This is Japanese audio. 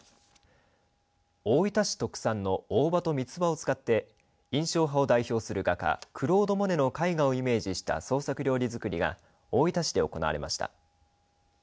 大分市特産の大葉とみつばを使って印象派を代表する画家クロード・モネの絵画をイメージした創作料理づくりが大分市で行われました。